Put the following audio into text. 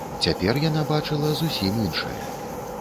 Цяпер яна бачыла зусім іншае.